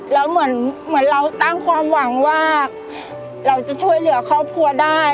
แล้วเหมือนเราตั้งความหวังว่าเราจะช่วยเหลือครอบครัวได้